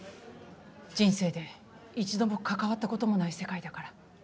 人生で一度も関わったこともない世界だから。